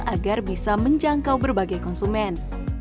agar bisa menjangkau berbagai konsumen